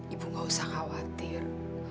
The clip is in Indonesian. ibu gak usah khawatir